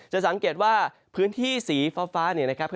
จะสังเกตว่าพื้นที่สีฟ้าเนี่ยนะครับ